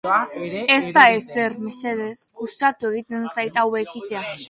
Ez da ezer, mesedez, gustatu egiten zait hau egitea.